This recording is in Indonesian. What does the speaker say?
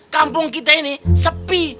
kampung kita ini sepi